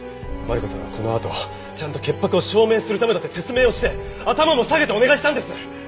マリコさんはこのあとちゃんと潔白を証明するためだって説明をして頭も下げてお願いしたんです！